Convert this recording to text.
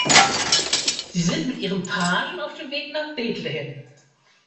Sie sind mit ihrem Pagen auf dem Weg nach Betlehem.